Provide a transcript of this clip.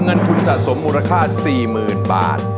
เงินทุนสะสมมูลค่า๔๐๐๐บาท